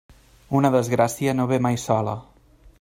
Una desgràcia no ve mai sola.